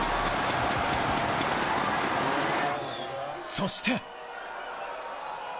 そして。